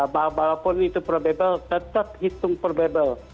bahwa pun itu probable tetap hitung probable